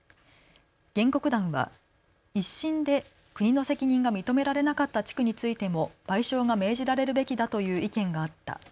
原告団は１審で国の責任が認められなかった地区についても賠償が命じられるべきだという意見があった。